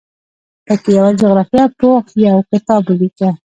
په کې یوه جغرافیه پوه یو کتاب ولیکه.